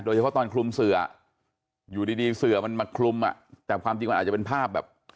เฉพาะตอนคลุมเสืออยู่ดีเสือมันมาคลุมอ่ะแต่ความจริงมันอาจจะเป็นภาพแบบ